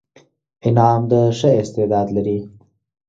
انعام د ښه استعداد لري.